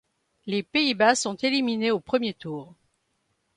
Les Pays-Bas sont éliminés au premier tour.